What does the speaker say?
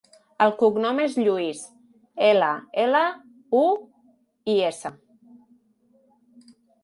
El cognom és Lluis: ela, ela, u, i, essa.